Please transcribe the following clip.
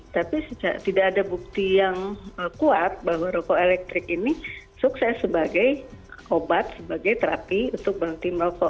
tapi tidak ada bukti yang kuat bahwa rokok elektrik ini sukses sebagai obat sebagai terapi untuk berhenti merokok